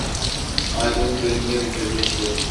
Aydın trenine bindirmişti.